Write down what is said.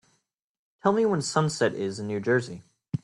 Tell me when Sunset is in New Jersey